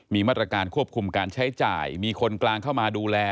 มีมาตรการควบคุมการใช้จ่ายมีคนกลางเข้ามาดูแล